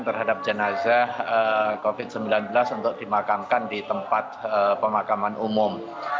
terhadap jenazah covid sembilan belas untuk dimakamkan di tempat pemakaman umum